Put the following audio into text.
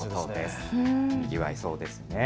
にぎわいそうですね。